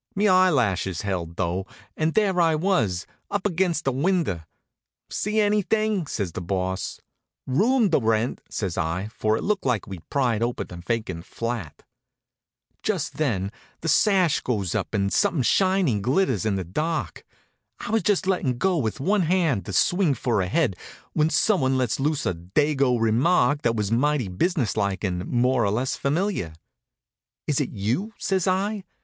Me eyelashes held though, and there I was, up against a window. "See anything?" says the Boss. "Room to rent," says I, for it looked like we'd pried open a vacant flat. Just then the sash goes up and something shiny glitters in the dark. I was just lettin' go with one hand to swing for a head when someone lets loose a Dago remark that was mighty business like and more or less familiar. "Is it you?" says I.